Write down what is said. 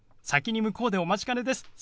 先に向こうでお待ちかねです。